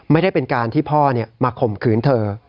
ไม่ได้เป็นการที่พ่อมาข่มขืนเธอ